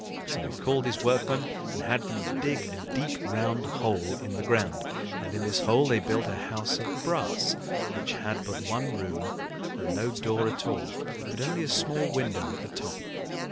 So he called his workmen and had them dig a deep round hole in the ground, and in this hole they built a house of brass which had but one room and no door at all, but only a small window at the top.